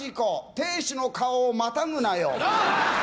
亭主の顔をまたぐなよ。